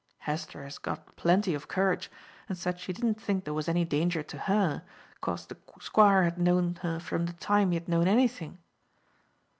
Hester has got plenty of courage, and said she didn't think there was any danger to her, 'cause the Squire had known her from the time he had known anything."